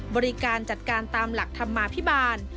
บริการจัดการตามหลักธรรมาภิบาล